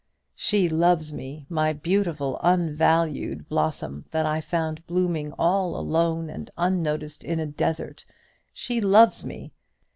"She loves me, my beautiful unvalued blossom, that I found blooming all alone and unnoticed in a desert she loves me.